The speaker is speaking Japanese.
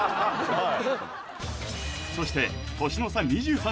はい